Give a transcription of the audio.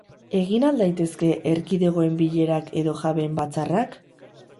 Egin al daitezke erkidegoen bilerak edo jabeen batzarrak?